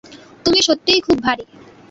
তুমি সত্যিই খুব ভারী।